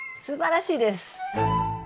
すばらしいです！